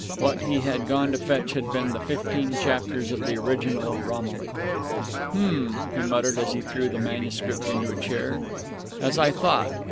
What he had gone to fetch had been the fifteen chapters of the original Romilly. "Hm!" he muttered as he threw the manuscript into a chair.... "As I thought....